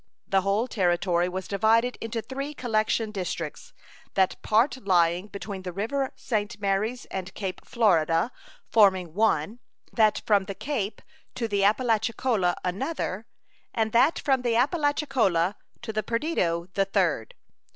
The whole Territory was divided into three collection districts, that part lying between the river St. Marys and Cape Florida forming one, that from the Cape to the Apalachicola another, and that from the Apalachicola to the Perdido the third.